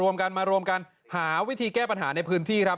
กันมารวมกันหาวิธีแก้ปัญหาในพื้นที่ครับ